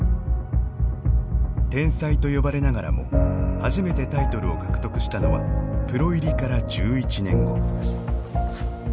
天才と呼ばれながらも初めてタイトルを獲得したのはプロ入りから１１年後。